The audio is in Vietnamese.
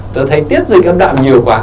tớ thấy tiết dịch âm đạo nhiều quá